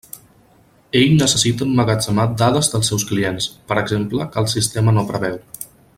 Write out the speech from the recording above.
Ell necessita emmagatzemar dades dels seus clients, per exemple, que el sistema no preveu.